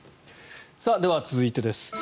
では、続いてです。